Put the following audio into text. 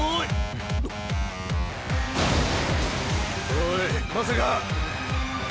おいまさか。